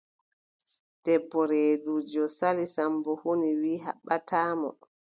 Debbo reeduujo Sali, Sammbo huni wiʼi haɓɓataa mo.